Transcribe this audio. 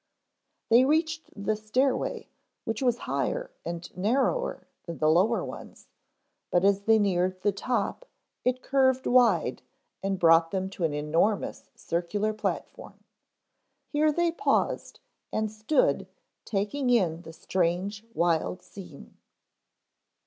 They reached the stairway, which was higher and narrower than the lower ones, but as they neared the top, it curved wide and brought them to an enormous circular platform. Here they paused and stood taking in the strange, wild scene.